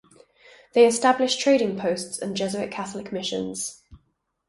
They established trading posts and Jesuit Catholic missions.